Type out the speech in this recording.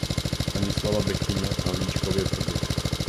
Stanislava Bechyně v Havlíčkově Brodě.